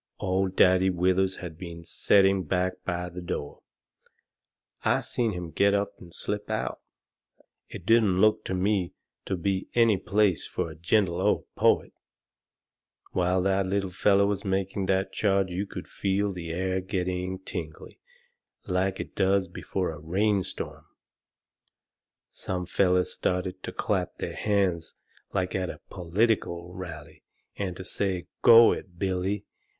Old Daddy Withers had been setting back by the door. I seen him get up and slip out. It didn't look to me to be any place fur a gentle old poet. While that little feller was making that charge you could feel the air getting tingly, like it does before a rain storm. Some fellers started to clap their hands like at a political rally and to say, "Go it, Billy!"